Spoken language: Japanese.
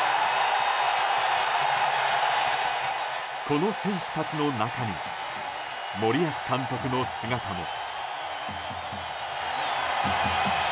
この選手たちの中に森保監督の姿も。